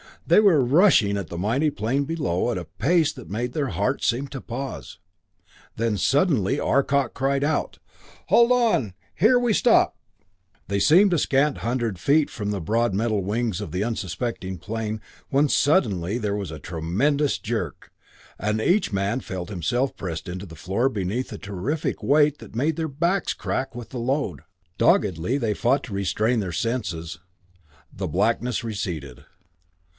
They were rushing at the mighty plane below at a pace that made their hearts seem to pause then suddenly Arcot cried out, "Hold on here we stop!" They seemed a scant hundred feet from the broad metal wings of the unsuspecting plane, when suddenly there was a tremendous jerk, and each man felt himself pressed to the floor beneath a terrific weight that made their backs crack with the load. Doggedly they fought to retain their senses; the blackness receded.